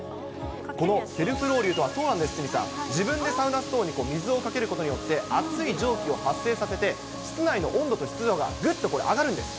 このセルフロウリュとは、そうなんです、鷲見さん、自分でサウナストーンに水をかけることによって、熱い蒸気を発生させて、室内の温度と湿度がぐっとこれ、上がるんです。